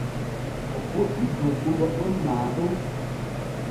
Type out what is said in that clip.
O fuɗɗi doggugo ɗon maa ɗon.